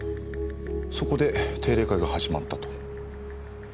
そこで定例会が始まったと。